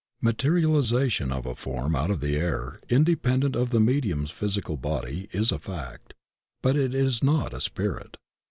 Materialization of a form out of the air, independ ent of the medium's physical body, is a fact. But it is not a spirit.